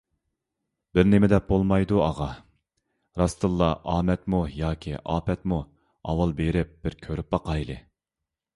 بىرنېمىدەپ بولمايدۇ، ئاغا، راستتىنلا ئامەتمۇ ياكى ئاپەتمۇ، ئاۋۋال بېرىپ بىر كۆرۈپ باقايلى.